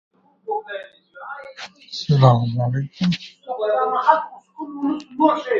For longer adjectives, we use "more" before the adjective to form the comparative.